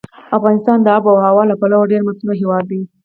افغانستان د آب وهوا له پلوه ډېر متنوع هېواد دی.